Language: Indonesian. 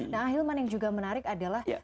nah ahilman yang juga menarik adalah